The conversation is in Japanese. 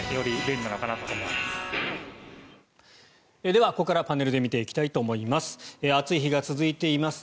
では、ここからパネルで見ていきたいと思います。